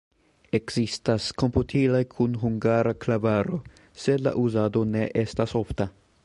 Ekzistas komputiloj kun hungara klavaro, sed la uzado ne estas ofta.